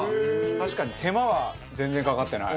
確かに手間は全然かかってない。